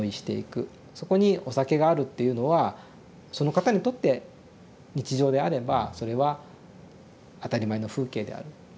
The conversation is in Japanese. そこにお酒があるっていうのはその方にとって日常であればそれは当たり前の風景である。